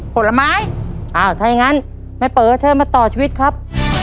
ผลไม้อ้าวถ้าอย่างงั้นแม่เป๋อเชิญมาต่อชีวิตครับ